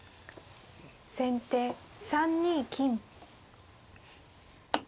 先手３二金。